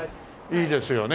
いいですよね